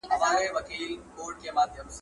کله چي ما پوښتنه کوله هغه د موضوع په اړه فکر کاوه.